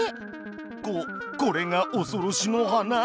ここれがおそろしの花？